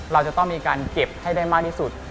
เราจะต้องมีการเก็บให้ได้มากที่สุด